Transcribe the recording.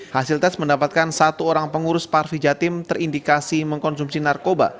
hasil tes mendapatkan satu orang pengurus parvi jatim terindikasi mengkonsumsi narkoba